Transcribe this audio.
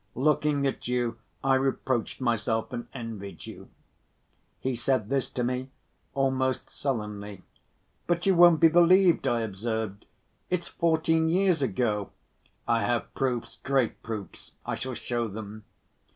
Looking at you, I reproached myself and envied you." He said this to me almost sullenly. "But you won't be believed," I observed; "it's fourteen years ago." "I have proofs, great proofs. I shall show them."